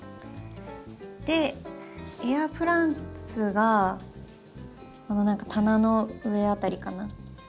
でエアプランツがこの何か棚の上辺りかな。